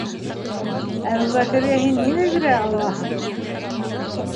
Әбүбәкергә һин нимә бирә алаһың?